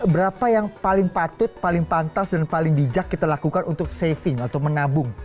berapa yang paling patut paling pantas dan paling bijak kita lakukan untuk saving atau menabung